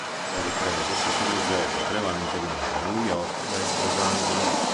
Le riprese si sono svolte prevalentemente a New York e Los Angeles.